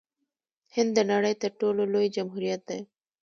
هند د نړۍ تر ټولو لوی جمهوریت دی.